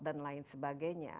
dan lain sebagainya